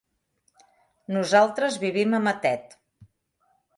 Nosaltres vivim a Matet.